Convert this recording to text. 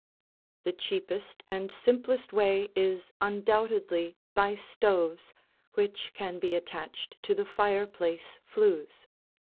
The cheapest and simplest way is undoubtedly by stoves which can be attached to the fireplace flues.